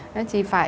nên chị phải